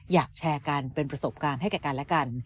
อยากแชร์กันเป็นประสบการณ์ให้แก่กันและกัน